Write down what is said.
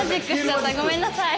ごめんなさい。